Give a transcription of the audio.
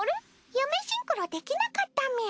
ユメシンクロできなかったみゃ。